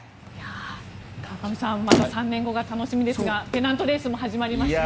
川上さんまた３年後が楽しみですがペナントレースも始まりますしね。